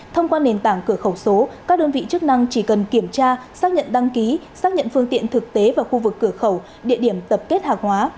thông qua nền tảng cửa khẩu số các đơn vị chức năng chỉ cần kiểm tra xác nhận đăng ký xác nhận phương tiện thực tế vào khu vực cửa khẩu địa điểm tập kết hàng hóa